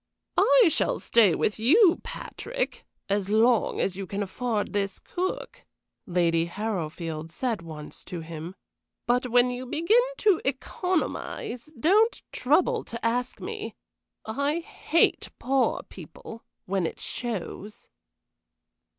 "I shall stay with you, Patrick, as long as you can afford this cook," Lady Harrowfield said once to him; "but when you begin to economize, don't trouble to ask me. I hate poor people, when it shows."